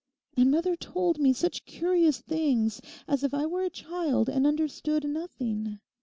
And mother told me such curious things; as if I were a child and understood nothing.